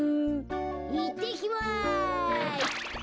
いってきます。